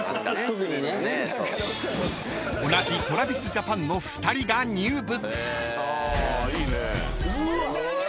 ［同じＴｒａｖｉｓＪａｐａｎの２人が入部］